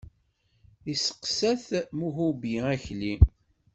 Yesteqsa-t Muhubi Akli.